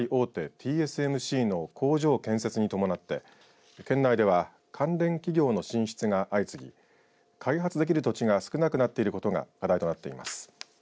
台湾の半導体大手ＴＳＭＣの工場建設に伴って県内では関連企業の進出が相次ぎ開発できる土地が少なくなっていることが課題となっています。